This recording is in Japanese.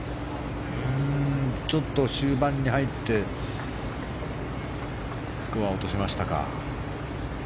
ちょっと終盤に入ってスコアを落としましたか。